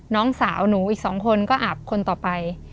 น้องสาวหนูอีก๒คนก็อาบคนต่อไป